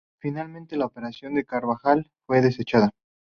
Finalmente la opinión de Carvajal fue desechada.